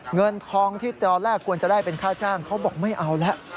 เงินทองที่ตอนแรกควรจะได้เป็นค่าจ้างเขาบอกไม่เอาแล้ว